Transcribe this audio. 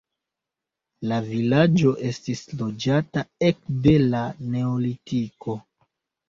La vilaĝo estis loĝata ekde la neolitiko.